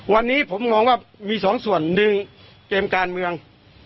วันนี้ผมมองว่ามีสองส่วนหนึ่งเกมการเมือง